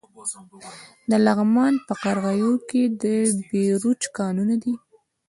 د لغمان په قرغیو کې د بیروج کانونه دي.